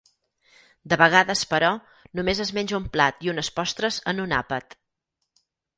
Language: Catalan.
De vegades però, només es menja un plat i unes postres en un àpat.